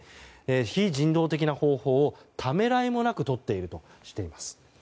非人道的な方法をためらいもなくとっているとしています。